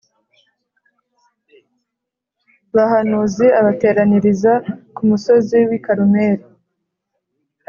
bahanuzi abateraniriza ku musozi w i Karumeli